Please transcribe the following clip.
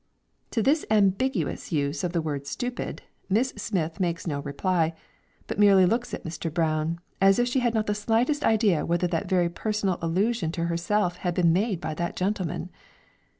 To this ambiguous use of the word "stupid," Miss Smith makes no reply, but merely looks at Mr. Brown as if she had not the slightest idea whatever that a very personal allusion to herself had been made by that gentleman.